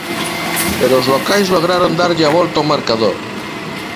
Pero os locais lograron darlle a volta ao marcador.